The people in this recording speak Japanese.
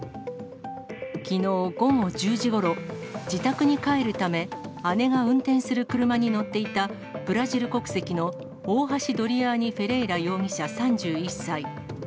きのう午後１０時ごろ、自宅に帰るため、姉が運転する車に乗っていたブラジル国籍のオオハシ・ドリアーニ・フェレイラ容疑者３１歳。